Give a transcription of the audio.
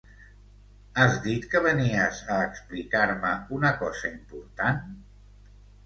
Has dit que venies a explicar-me una cosa important?